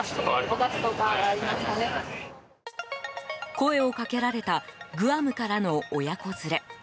声をかけられたグアムからの親子連れ。